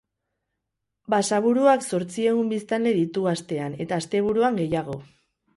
Basaburuak zortziehun biztanle ditu astean eta asteburuan gehiago.